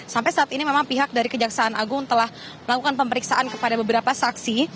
sampai saat ini memang pihak dari kejaksaan agung telah melakukan pemeriksaan kepada beberapa saksi